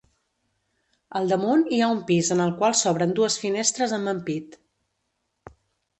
Al damunt hi ha un pis en el qual s'obren dues finestres amb ampit.